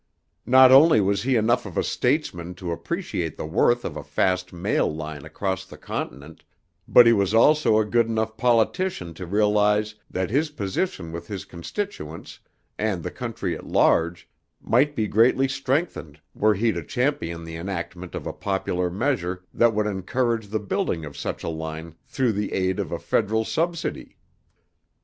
Not only was he enough of a statesman to appreciate the worth of a fast mail line across the continent, but he was also a good enough politician to realize that his position with his constituents and the country at large might be greatly strengthened were he to champion the enactment of a popular measure that would encourage the building of such a line through the aid of a Federal subsidy.